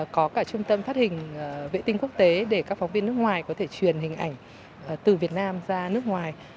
có cả trung tâm phát hình vệ tinh quốc tế để các phóng viên nước ngoài có thể truyền hình ảnh từ việt nam ra nước ngoài